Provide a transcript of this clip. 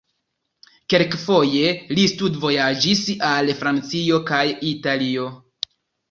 Kelkfoje li studvojaĝis al Francio kaj Italio.